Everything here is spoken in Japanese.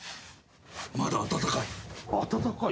まだ温かい。